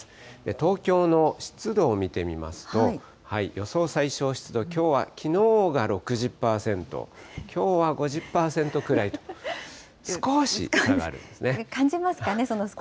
東京の湿度を見てみますと、予想最小湿度、きょうは、きのうが６０％、きょうは５０％くらいと少感じますかね、その少し。